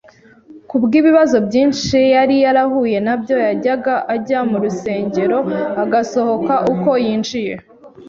kubw’ibibazo byinshi yari yarahuye nabyo yajyaga ajya mu rusengero agasohoka uko yinjiye